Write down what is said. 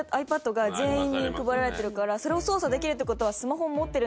が全員に配られてるからそれを操作できるって事は。